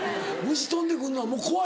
虫飛んでくるのはもう怖いの？